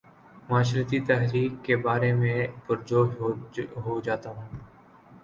معاشرتی تحاریک کے بارے میں پر جوش ہو جاتا ہوں